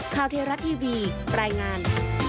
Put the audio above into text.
ข่าวเทียร์รัดทีวีปรายงาน